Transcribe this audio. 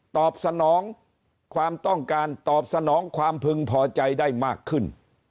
ตอบสนองความต้องการตอบสนองความพึงพอใจได้มากขึ้น